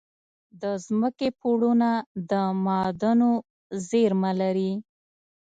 د ځمکې پوړونه د معادنو زیرمه لري.